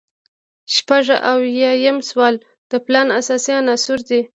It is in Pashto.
شپږ اویایم سوال د پلان اساسي عناصر دي.